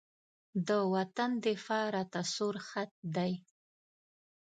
د وطن دفاع راته سور خط دی.